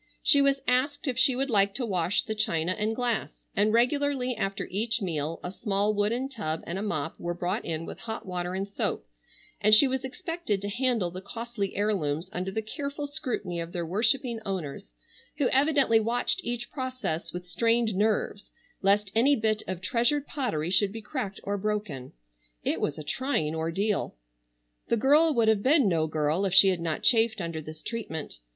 She was asked if she would like to wash the china and glass; and regularly after each meal a small wooden tub and a mop were brought in with hot water and soap, and she was expected to handle the costly heirlooms under the careful scrutiny of their worshipping owners, who evidently watched each process with strained nerves lest any bit of treasured pottery should be cracked or broken. It was a trying ordeal. The girl would have been no girl if she had not chafed under this treatment.